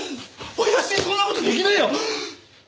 親父にそんな事できねえよ！